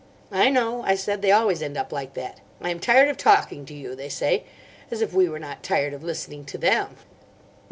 "I know," I said, "they always end up like that. 'I am tired of talking to you,' they say—as if we were not tired of listening to them!"